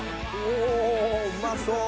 おうまそう！